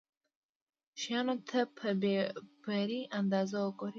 شيانو ته په بې پرې انداز وګوري.